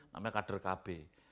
namanya kader kb